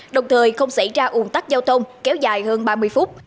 đồng thời không xảy ra ủn tắc giao thông kéo dài hơn ba mươi phút